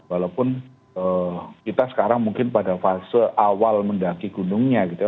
walaupun kita sekarang mungkin pada fase awal mendaki gunungnya gitu ya